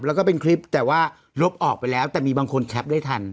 แล้วก็เป็นคลิปแต่ว่าลบออกไปแล้วแต่มีบางคนแคปได้ทัน